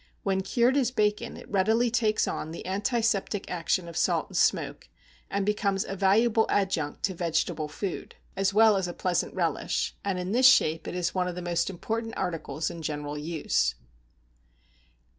When cured as bacon it readily takes on the anti septic action of salt and smoke, and becomes a valuable adjunct to vegetable food, as well as a pleasant relish; and in this shape it is one of the most important articles in general use.